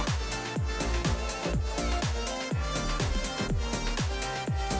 ternyata cocok bagi selera lidah indonesia